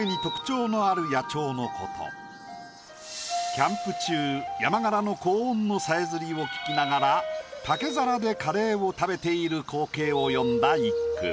キャンプ中山雀の高音のさえずりを聞きながら竹皿でカレーを食べている光景を詠んだ一句。